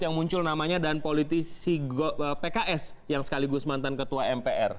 yang muncul namanya dan politisi pks yang sekaligus mantan ketua mpr